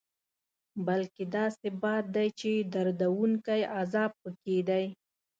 بلکې داسې باد دی چې دردوونکی عذاب پکې دی.